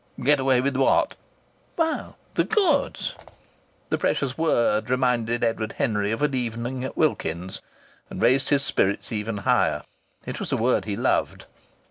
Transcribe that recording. "Get away with what?" "Well the goods." The precious word reminded Edward Henry of an evening at Wilkins's and raised his spirits even higher. It was a word he loved.